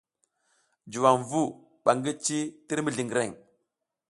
Juwam vu ɓa ngi ci tir mizliŋgreŋ.